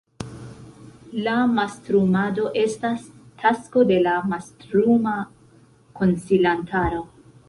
La mastrumado estas tasko de la mastruma konsilantaro.